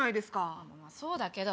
まぁそうだけど。